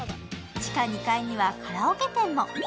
地下２階にはカラオケ店も。